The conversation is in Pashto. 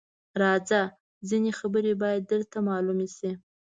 _راځه! ځينې خبرې بايد درته مالومې شي.